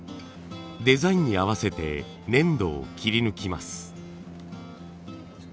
デザインに合わせて粘土を切り抜きます。